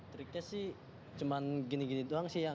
triknya sih cuma gini gini doang sih ya